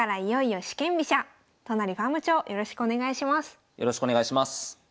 よろしくお願いします。